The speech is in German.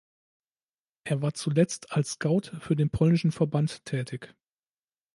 Er war zuletzt als Scout für den polnischen Verband tätig.